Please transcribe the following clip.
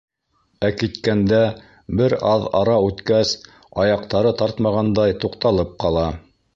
Ә киткәндә, бер аҙ ара үткәс, аяҡтары тартмағандай, туҡталып ҡала...